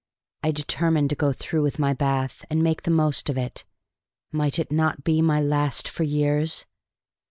I determined to go through with my bath and make the most of it. Might it not be my last for years?